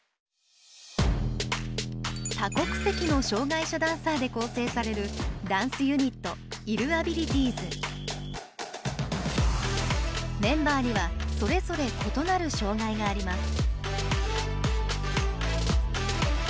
多国籍の障害者ダンサーで構成されるダンスユニットメンバーにはそれぞれ異なる障害があります。